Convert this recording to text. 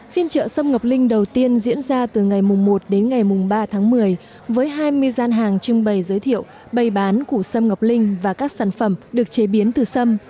phiên chợ sâm ngọc linh đầu tiên diễn ra từ ngày một đến ngày ba tháng một mươi với hai mươi gian hàng trưng bày giới thiệu bày bán củ xâm ngọc linh và các sản phẩm được chế biến từ sâm